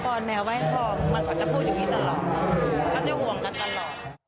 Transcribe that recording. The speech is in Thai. เขาจะห่วงกันตลอด